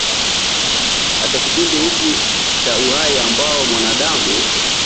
katika kipindi hiki cha uhai ambapo mwanadamu